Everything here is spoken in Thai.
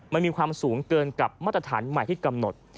มันมีความสูงเกินกับมาตรฐานใหม่ที่กำหนด